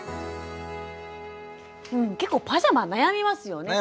結構パジャマ悩みますよね。